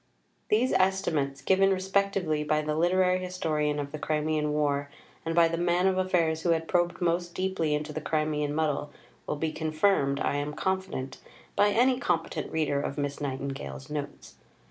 These estimates, given respectively by the literary historian of the Crimean War and by the man of affairs who had probed most deeply into the Crimean muddle, will be confirmed, I am confident, by any competent reader of Miss Nightingale's Notes.